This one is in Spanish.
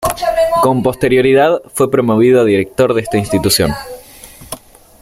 Con posterioridad fue promovido a director de esta institución.